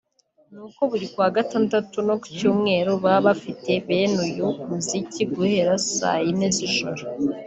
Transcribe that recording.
n’uko buri kuwa Gatandatu no ku Cyumweru baba bafite beene uyu muziki guhera saa ine z’ijoro